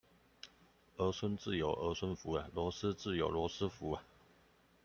兒孫自有兒孫福，螺絲自有羅斯福